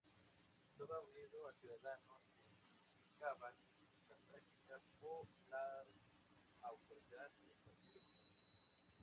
Estaba unido a ciudadanos que criticaban las prácticas o la autoridad del Partido Comunista.